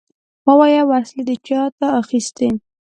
ووايه! وسلې دې چاته اخيستې؟